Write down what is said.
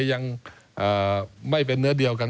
ยังไม่เป็นเนื้อเดียวกัน